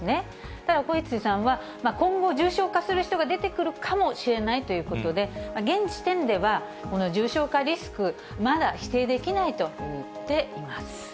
ただ、コエツィさんは、今後重症化する人が出てくるかもしれないということで、現時点では、この重症化リスク、まだ否定できないと言っています。